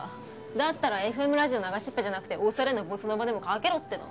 だったらＦＭラジオ流しっぱじゃなくてオサレなボサノバでもかけろっての。